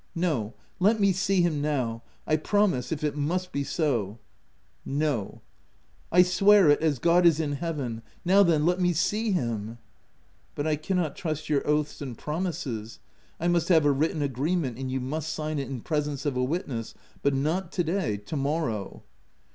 " No, let me see him now. I promise, if it must be so." « No— "* I swear it, as God is in Heaven ! Now then, let me see him." " But I cannot trust your oaths and pro mises : I must have a written agreement, and you must sign it in presence of a witness — but not to day, to morrow."